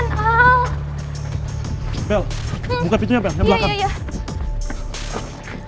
ama disitu gak ada waktu nganjut in his naqziat